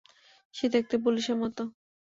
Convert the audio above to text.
সে দেখতে পুলিশের মতো।